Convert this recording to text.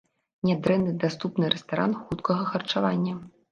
Нядрэнны даступны рэстаран хуткага харчавання.